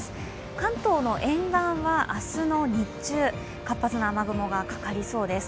関東の沿岸は、明日の日中、活発な雨雲がかかりそうです。